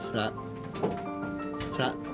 ra udah sampe ra